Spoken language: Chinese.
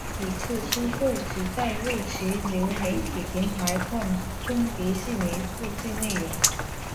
此次收购旨在为其流媒体平台扩充迪士尼自制内容。